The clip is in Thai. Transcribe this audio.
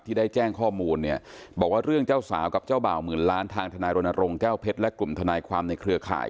ได้แจ้งข้อมูลเนี่ยบอกว่าเรื่องเจ้าสาวกับเจ้าบ่าวหมื่นล้านทางทนายรณรงค์แก้วเพชรและกลุ่มทนายความในเครือข่าย